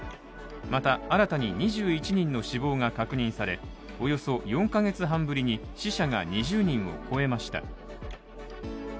また新たに２１人の死亡が確認されおよそ４カ月半ぶりに死者が２０人を超えました。